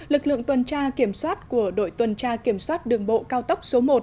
lực lượng tuần tra kiểm soát của đội tuần tra kiểm soát đường bộ cao tốc số một